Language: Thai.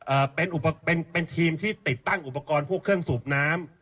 เป็นอุปกรณ์เป็นเป็นทีมที่ติดตั้งอุปกรณ์พวกเครื่องสูบน้ำ